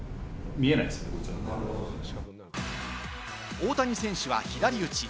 大谷選手は左打ち。